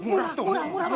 murah murah murah